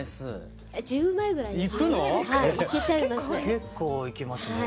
結構いきますね。